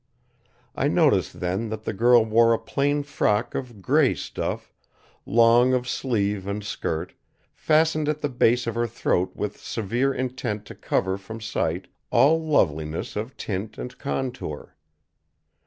I noticed then that the girl wore a plain frock of gray stuff, long of sleeve and skirt, fastened at the base of her throat with severe intent to cover from sight all loveliness of tint and contour.